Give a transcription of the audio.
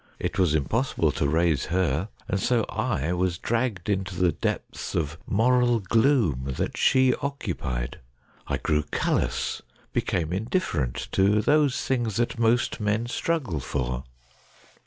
It was impossible to raise her, and so I was dragged into the depths of moral gloom that she occupied. I grew callous, became indifferent to those things that most men struggle for.